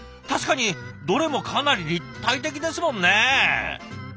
確かにどれもかなり立体的ですもんね。